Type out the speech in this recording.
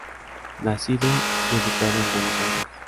Nacido y educado en Buenos Aires.